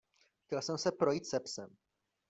Chtěl jsem se projít se psem.